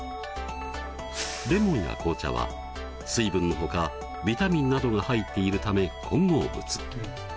レモンや紅茶は水分のほかビタミンなどが入っているため混合物。